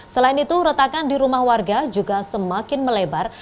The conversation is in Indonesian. selain itu retakan di rumah warga juga semakin melebar